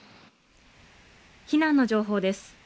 避難の情報です。